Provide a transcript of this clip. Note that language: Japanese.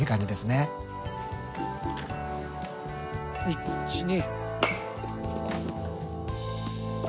１２。